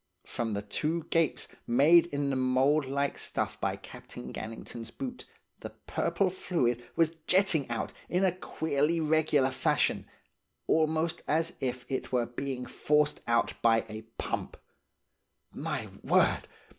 From the two gapes made in the mould like stuff by Captain Gannington's boot, the purple fluid was jetting out in a queerly regular fashion, almost as if it were being forced out by a pump. My word!